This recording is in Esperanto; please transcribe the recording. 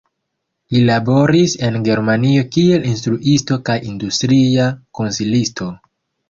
Li laboris en Germanio kiel instruisto kaj industria konsilisto.